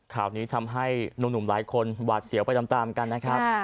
ข่าวนี้ทำให้หนุ่มหลายคนหวาดเสียวไปตามกันนะครับ